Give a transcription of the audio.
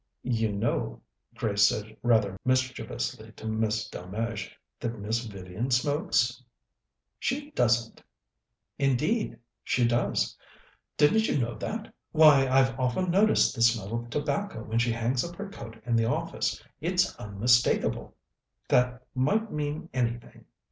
"You know," Grace said rather mischievously to Miss Delmege, "that Miss Vivian smokes?" "She doesn't!" "Indeed she does. Didn't you know that? Why, I've often noticed the smell of tobacco when she hangs up her coat in the office. It's unmistakable." "That might mean anything!"